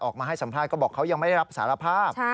ออกมาให้สัมภาษณ์ก็บอกเขายังไม่ได้รับสารภาพ